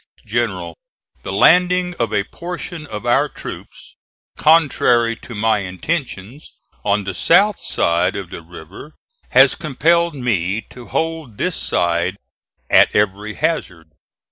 GENERAL: The landing of a portion of our troops, contrary to my intentions, on the south side of the river has compelled me to hold this side at every hazard.